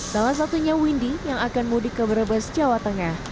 salah satunya windy yang akan mudik ke brebes jawa tengah